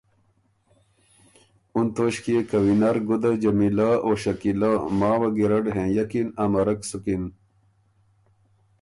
اُن توݭکيې که وینر ګُده جمیلۀ او شکیلۀ ماوه ګیرډ هېںئکِن امرک سُکِن